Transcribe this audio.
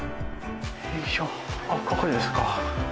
ここですか。